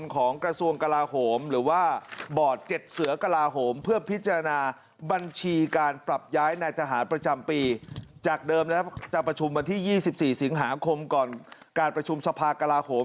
ของคุณผู้ที่มีก็ได้ให้มาภาคกราโหม